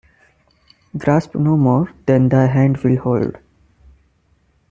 Grasp no more than thy hand will hold.